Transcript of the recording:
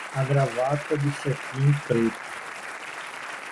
A gravata de cetim preto